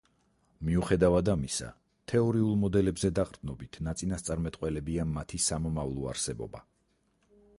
მიუხედავად ამისა, თეორიულ მოდელებზე დაყრდნობით ნაწინასწარმეტყველებია მათი სამომავლო არსებობა.